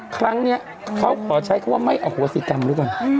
ครั้งนี้เขาขอใช้คำว่าไม่อโหสิกรรมแล้วกัน